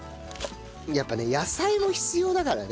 やっぱね野菜も必要だからね